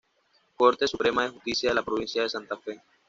Corte Suprema de Justicia de la Provincia de Santa Fe